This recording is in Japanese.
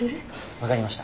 分かりました。